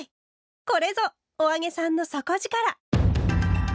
これぞ「“お揚げさん”の底力！」。